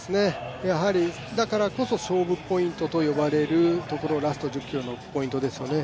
だからこそ勝負ポイントと呼ばれるところ、ラスト１０ｋｍのポイントですよね。